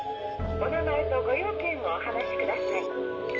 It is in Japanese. ☎お名前とご用件をお話しください。